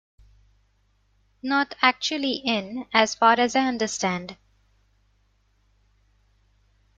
Not actually in, as far as I understand.